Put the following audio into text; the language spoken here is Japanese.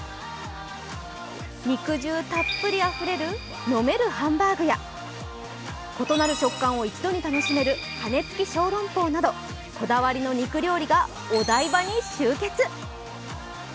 肉汁たっぷりあふれる飲めるハンバーグや異なる食感を一度に楽しめる羽根つき小籠包などこだわりの肉料理がお台場に集結。